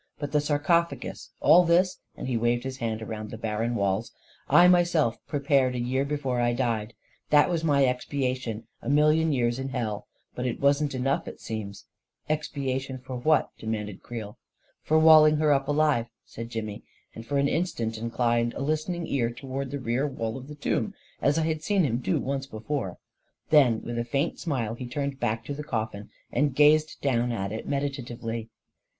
But the sarcophagus — all this," and he waved his hand around at the barren walls, " I myself prepared a year before I died. That was my expiation — a million years in hell I But it wasn't enough, it seems !" 44 Expiation for what? " demanded Creel. 44 For walling her up alive," said Jimmy, and for an instant inclined a listening ear toward the rear wall of the tomb, as I had seen him do once before. Then, with a faint smile, he turned back to the coffin, and gazed down at it meditatively.